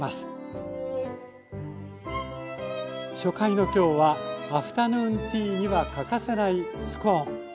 初回の今日はアフタヌーンティーには欠かせないスコーン。